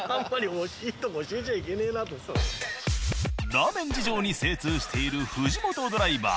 ラーメン事情に精通している藤本ドライバー。